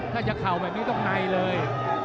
ถ้าจะเข่าแบบนี้ต้องในเลย